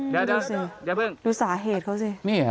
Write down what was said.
เดี๋ยวเดี๋ยว